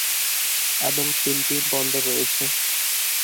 এবং তিনটি বন্দর রয়েছে।